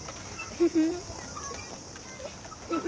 フフフ。